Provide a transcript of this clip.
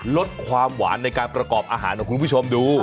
ลดความหวานในการประกอบอาหารของคุณผู้ชมดู